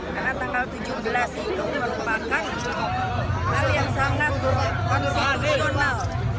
karena tanggal tujuh belas itu merupakan hal yang sangat berkonsensional